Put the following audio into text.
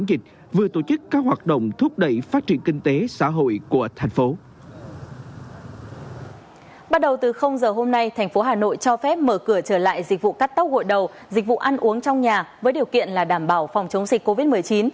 bắt đầu từ giờ hôm nay thành phố hà nội cho phép mở cửa trở lại dịch vụ cắt tóc gội đầu dịch vụ ăn uống trong nhà với điều kiện là đảm bảo phòng chống dịch covid một mươi chín